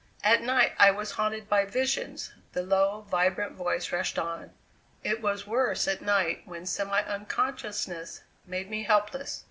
"At night I was haunted by visions," the low, vibrant voice rushed on. "It was worse at night when semi unconsciousness made me helpless.